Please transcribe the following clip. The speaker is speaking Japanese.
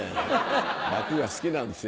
楽が好きなんですよ